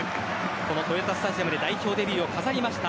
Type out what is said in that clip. この豊田スタジアムで代表デビューを飾りました